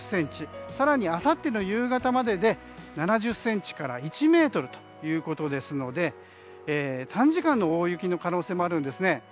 更にあさっての夕方までで７０ｃｍから１ｍということですので短時間の大雪の可能性もあるんですね。